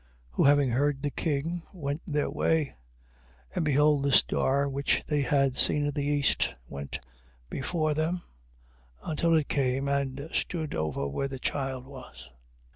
2:9. Who having heard the king, went their way; and behold the star which they had seen in the East, went before them, until it came and stood over where the child was.